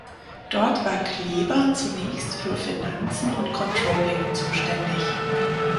Dort war Kleber zunächst für Finanzen und Controlling zuständig.